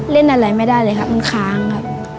เล่นอะไรไม่ได้เลยครับมันค้างครับ